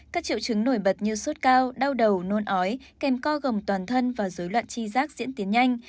các triệu chứng nổi bật như sốt cao đau đầu nôn ói kèm co gồng toàn thân và dối loạn chi giác diễn tiến nhanh